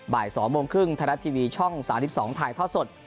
บ่าย๒โมงครึ่งไทยรัฐทีวีช่อง๓๒ถ่ายทอดสด